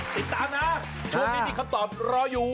ติดตามนะช่วงนี้มีคำตอบรออยู่